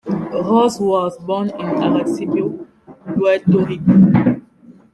Ross was born in Arecibo, Puerto Rico.